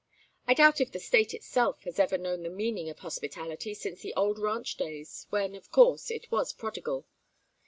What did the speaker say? I doubt if the State itself has ever known the meaning of hospitality since the old ranch days, when, of course, it was prodigal.